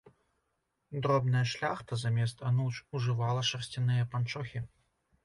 Дробная шляхта замест ануч ужывала шарсцяныя панчохі.